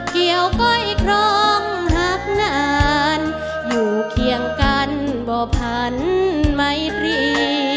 เกี่ยวก้อยครองหักนานอยู่เคียงกันบ่พันไม่ตรี